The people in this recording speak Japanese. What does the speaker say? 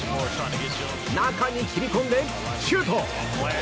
中に切り込んでシュート！